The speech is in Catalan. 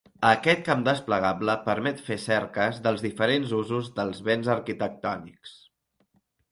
Aquest camp desplegable permet fer cerques dels diferents usos dels béns arquitectònics.